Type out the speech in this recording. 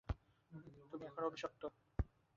তুমি এখন অভিশপ্ত!